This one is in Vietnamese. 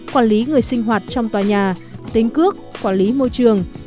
quản lý người sinh hoạt trong tòa nhà tính cước quản lý môi trường